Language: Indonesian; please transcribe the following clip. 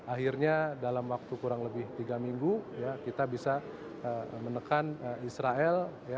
akhirnya dalam waktu kurang lebih tiga minggu kita bisa menekan israel